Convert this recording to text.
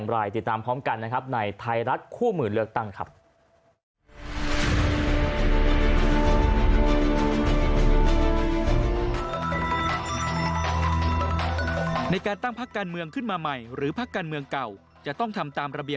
เริ่มนับหนึ่งใหม่กฎเขาว่าอย่างไรควรทำอย่างไร